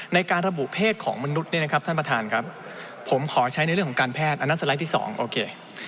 ในการระบุเพศของมนุษย์เนี่ยนะครับท่านประธานครับผมขอใช้ในเรื่องของการแพทย์อันนั้นสไลด์ที่สองโอเค